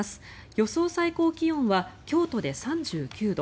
予想最高気温は、京都で３９度